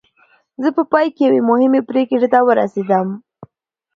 زه په پای کې یوې مهمې پرېکړې ته ورسېدم